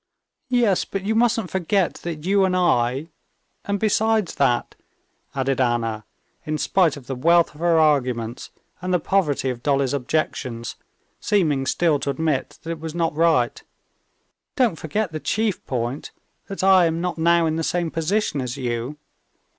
"Yes, but you mustn't forget that you and I.... And besides that," added Anna, in spite of the wealth of her arguments and the poverty of Dolly's objections, seeming still to admit that it was not right, "don't forget the chief point, that I am not now in the same position as you.